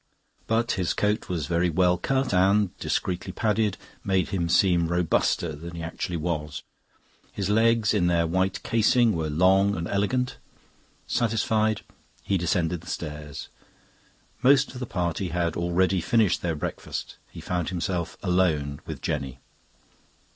But his coat was very well cut and, discreetly padded, made him seem robuster than he actually was. His legs, in their white casing, were long and elegant. Satisfied, he descended the stairs. Most of the party had already finished their breakfast. He found himself alone with Jenny.